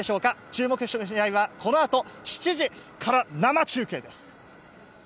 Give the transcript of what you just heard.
注目の試合は、このあと７時から生中継です。